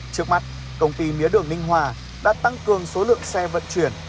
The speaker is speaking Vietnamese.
trước mắt công ty mía đường ninh hòa đã tăng cường số lượng xe vận chuyển